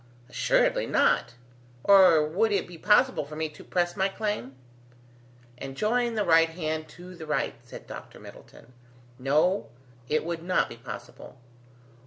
"Assuredly not, or would it be possible for me to press my claim?" "And join the right hand to the right," said Dr. Middleton; "no, it would not be possible.